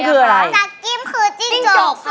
จักริมคือจิ้งจกค่ะ